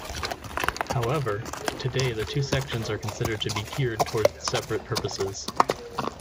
However, today the two sections are considered to be geared toward separate purposes.